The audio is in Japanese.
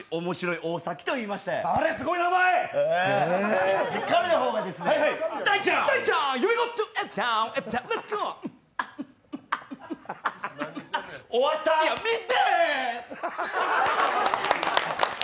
いや見て！